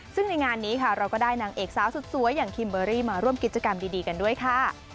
ซึ่งในงานนี้ค่ะเราก็ได้นางเอกสาวสุดสวยอย่างคิมเบอร์รี่มาร่วมกิจกรรมดีกันด้วยค่ะ